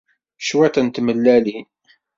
Cwiṭ n tmellalin.